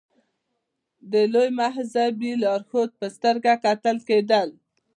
د لوی مذهبي لارښود په سترګه کتل کېدل.